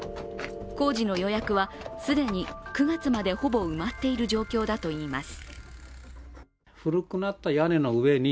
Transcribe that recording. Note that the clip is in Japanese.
工事の予約は既に９月までほぼ埋まっている状況だといいます。